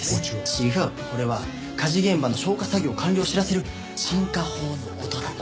違うこれは火事現場の消火作業完了を知らせる鎮火報の音だと。